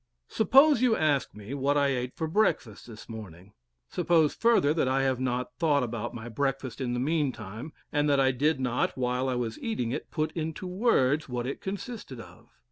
Suppose you ask me what I ate for breakfast this morning. Suppose, further, that I have not thought about my breakfast in the meantime, and that I did not, while I was eating it, put into words what it consisted of.